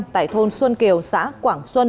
tại thôn xuân kiều xã quảng xuân